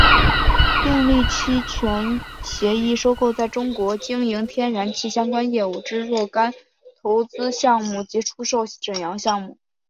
订立期权协议收购在中国经营天然气相关业务之若干投资项目及出售沈阳项目。